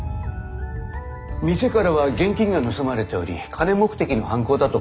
店からは現金が盗まれており金目的の犯行だと考えられた。